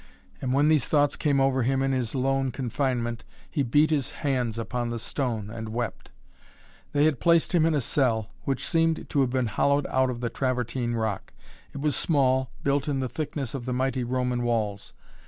And when these thoughts came over him in his lone confinement he beat his hands upon the stone and wept. They had placed him in a cell, which seemed to have been hollowed out of the Travertine rock. It was small, built in the thickness of the mighty Roman walls.